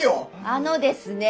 あのですね